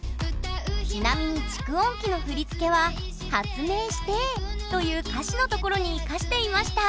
ちなみに蓄音機の振り付けは「発明してえ」という歌詞のところに生かしていました